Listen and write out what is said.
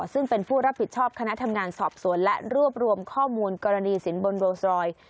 ซึ่งเป็นผู้รับผิดชอบคณะทำงานสอบสวนและรวบรวมข้อมูลกรณีสินบนโรสรอยด์